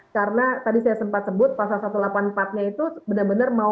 karena tadi saya sempat sebut pasal pasal ini ya ini adalah langkah yang sangat brutal menurut saya